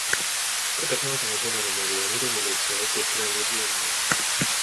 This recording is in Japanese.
遥か彼方のブナの森は、みるみるうちに大きく膨らんでいくように見えます。